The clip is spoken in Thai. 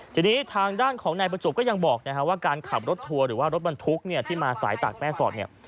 ทีนี้ทางด้านของนายประจวบก็ยังบอกว่าการขับรถทัวร์หรือว่ารถบรรทุกเนี่ยที่มาสายตากแม่สอดเนี่ย